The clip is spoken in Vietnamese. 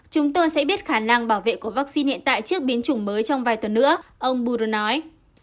chúng tôi sẽ biết khả năng bảo vệ của vaccine hiện tại trước biến chủng mới trong vài tuần nữa ông budro nói